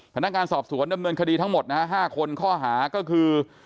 พนักงานสอบสวนดำเนินคดีทั้งหมดนะฮะ๕คนข้อหาก็คือ